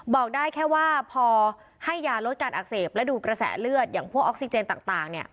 บอกได้แค่ว่าพอให้ยาลดการอักเสบและดูกระแสเลือดอย่างพวกออกซิเจนต่าง